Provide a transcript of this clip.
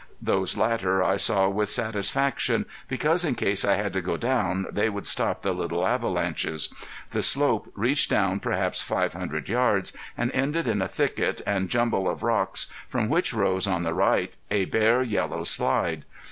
Those latter I saw with satisfaction, because in case I had to go down they would stop the little avalanches. The slope reached down perhaps five hundred yards and ended in a thicket and jumble of rocks from which rose on the right a bare yellow slide.